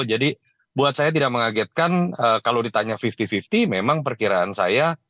jadi buat saya tidak mengagetkan kalau ditanya lima puluh lima puluh memang perkiraan saya